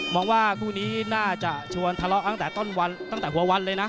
บอกว่าคู่นี้น่าจะชวนทะเลาะตั้งแต่ต้นตั้งแต่หัววันเลยนะ